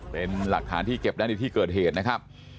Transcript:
เป็นหลักฐานที่เก็บได้ในที่เกิดเหตุนะครับ